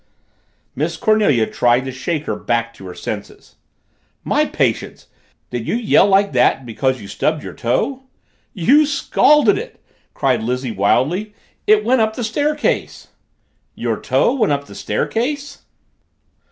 Miss Cornelia tried to shake her back to her senses. "My patience! Did you yell like that because you stubbed your toe?" "You scalded it!" cried Lizzie wildly. "It went up the staircase!" "Your toe went up the staircase?"